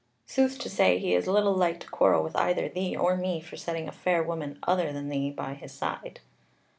Sooth to say, he is little like to quarrel with either thee or me for setting a fair woman other than thee by his side."